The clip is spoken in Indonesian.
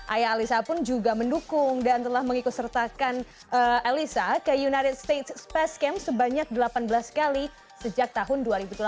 ayah alyssa pun juga mendukung dan telah mengikusertakan alyssa ke united states space camp sebanyak delapan belas kali sejak tahun dua ribu delapan